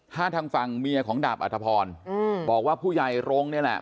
ถ้าทางฝั่งเมียของดาบอัธพรบอกว่าผู้ใหญ่รงค์นี่แหละ